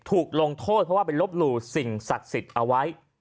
ถูกลงโทษเพราะว่าไปลบหลู่สิ่งศักดิ์สิทธิ์เอาไว้